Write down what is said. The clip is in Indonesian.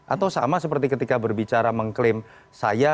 atau sama seperti ketika berbicara mengklaim saya lebih dekat dengan jokowi